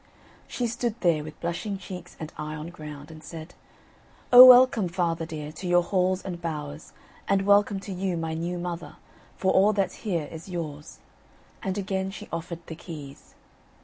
She stood there with blushing cheeks and eye on ground, and said: "O welcome, father dear, to your halls and bowers, and welcome to you my new mother, for all that's here is yours," and again she offered the keys.